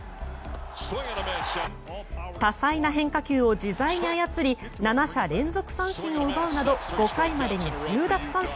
多彩な変化球を自在に操り７者連続三振を奪うなど５回までに１０奪三振。